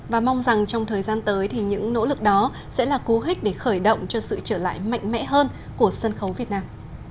và mong rằng trong thời gian tới thì những nỗ lực đó sẽ là cú hích để khởi động cho sự trở lại mạnh mẽ hơn của sân khấu việt nam